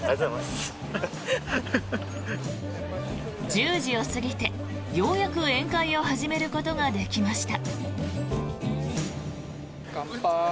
１０時を過ぎてようやく宴会を始めることができました。